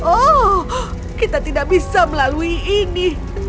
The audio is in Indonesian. oh kita tidak bisa melalui ini